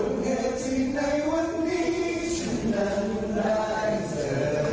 เหตุที่ในวันนี้ฉันนั้นได้เจอ